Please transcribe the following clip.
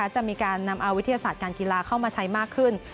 จะมีการนำเอาวิทยาศาสตร์การกีฬาเข้ามาใช้มากขึ้น